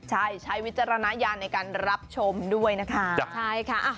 ใช่ใช้วิจารณญาณในการรับชมด้วยนะคะใช่ค่ะ